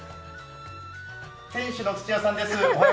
店主の槌谷さんです。